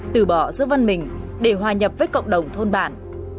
từ bỏ giữ văn mình để hòa nhập với cộng đồng thôn bản